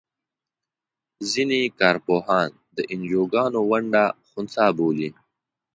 ځینې کار پوهان د انجوګانو ونډه خنثی بولي.